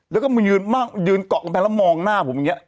แล้วก็มันยืนมากยืนเกาะไปแล้วมองหน้าผมอย่างเงี้ย